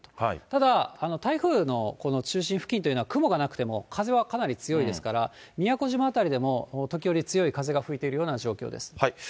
ただ、台風の中心付近というのは、雲がなくても風はかなり強いですから、宮古島辺りでも、時折強い風が吹いているような状況です。